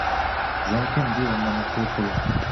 За яким ділом мене кликали?